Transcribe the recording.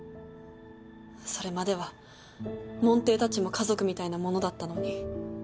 それまでは門弟たちも家族みたいなものだったのに。